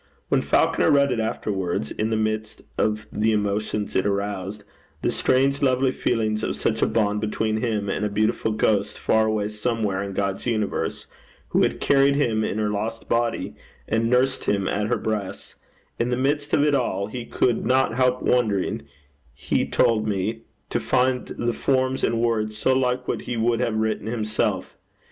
When Falconer read it afterwards, in the midst of the emotions it aroused the strange lovely feelings of such a bond between him and a beautiful ghost, far away somewhere in God's universe, who had carried him in her lost body, and nursed him at her breasts in the midst of it all, he could not help wondering, he told me, to find the forms and words so like what he would have written himself.